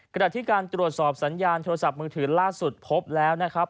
ขณะที่การตรวจสอบสัญญาณโทรศัพท์มือถือล่าสุดพบแล้วนะครับ